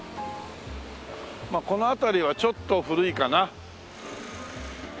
この辺りはちょっと古いかな？